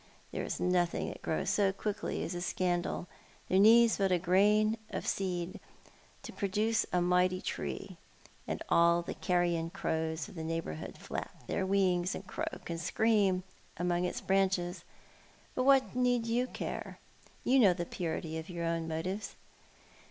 There is nothing that grows so quickly as a scandal — there needs but a grain of seed to produce a mighty tree, and all the carrion crows of the neighbourhood flap their wings and croak and scream among its branches. But what need you care '? You know the purity of your own motives."